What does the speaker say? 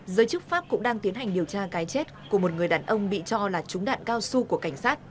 giới chức pháp cũng đang tiến hành điều tra cái chết của một người đàn ông bị cho là trúng đạn cao su của cảnh sát